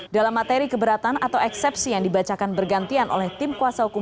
dalam materi keberatan atau eksepsi yang dibacakan bergantian oleh tim kuasa hukum